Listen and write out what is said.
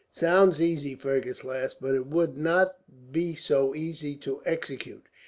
"It sounds easy," Fergus laughed, "but it would not be so easy to execute.